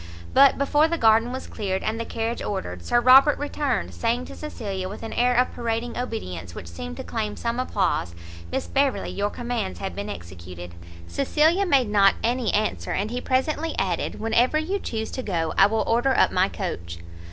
But before the garden was cleared, and the carriage ordered, Sir Robert returned; saying to Cecilia, with an air of parading obedience which seemed to claim some applause, "Miss Beverley, your commands have been executed." Cecilia made not any answer, and he presently added, "Whenever you chuse to go I will order up my coach."